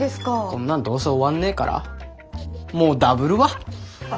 こんなんどうせ終わんねえからもうダブるわ。